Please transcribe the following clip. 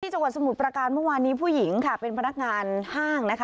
จังหวัดสมุทรประการเมื่อวานนี้ผู้หญิงค่ะเป็นพนักงานห้างนะคะ